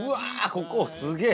ここすげえ！